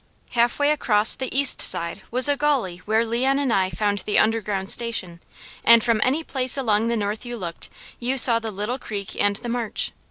Halfway across the east side was a gully where Leon and I found the Underground Station, and from any place along the north you looked, you saw the Little Creek and the marsh.